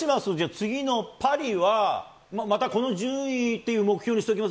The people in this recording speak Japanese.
次のパリは、またこの順位っていう目標にしておきます？